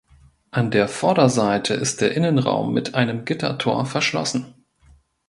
An der Vorderseite ist der Innenraum mit einem Gittertor verschlossen.